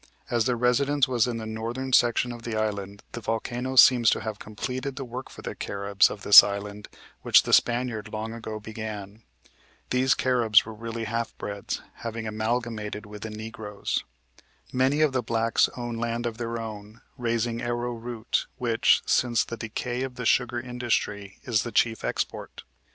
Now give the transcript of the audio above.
As their residence was in the northern section of the island, the volcano seems to have completed the work for the Caribs of this island which the Spaniard long ago began. These Caribs were really half breds, having amalgamated with the negroes. Many of the blacks own land of their own, raising arrow root, which, since the decay of the sugar industry, is the chief export.